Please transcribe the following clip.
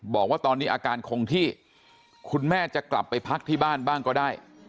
บอกว่าตอนนี้อาการคงที่คุณแม่จะกลับไปพักที่บ้านบ้างก็ได้